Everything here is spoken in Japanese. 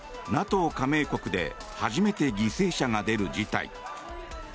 加盟国で初めて犠牲者が出る事態。